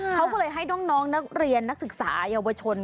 เขาก็เลยให้น้องนักเรียนนักศึกษาเยาวชน